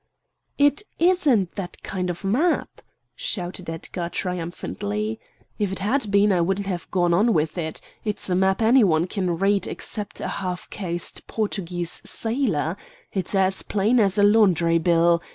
"It isn't that kind of map," shouted Edgar triumphantly. "If it had been, I wouldn't have gone on with it. It's a map anybody can read except a half caste Portuguese sailor. It's as plain as a laundry bill.